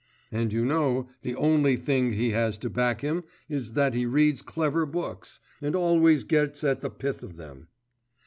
And you know the only thing he has to back him is that he reads clever books, and always gets at the pith of them.